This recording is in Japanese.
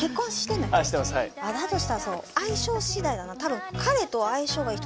だとしたら相性しだいだな。